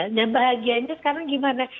nah bahagianya sekarang gimana